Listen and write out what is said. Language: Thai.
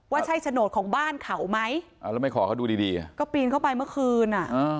ว่าใช่โฉนดของบ้านเขาไหมอ่าแล้วไม่ขอเขาดูดีดีอ่ะก็ปีนเข้าไปเมื่อคืนอ่ะ